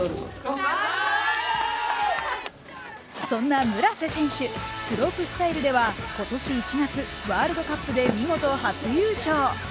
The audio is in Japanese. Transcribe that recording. そんな村瀬選手、スロープスタイルでは今年１月、ワールドカップで見事初優勝。